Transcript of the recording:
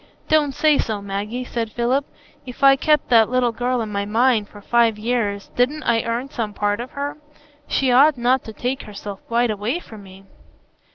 "Don't say so, Maggie," said Philip. "If I kept that little girl in my mind for five years, didn't I earn some part in her? She ought not to take herself quite away from me."